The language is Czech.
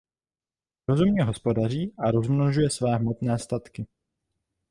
Rozumně hospodaří a rozmnožuje své hmotné statky.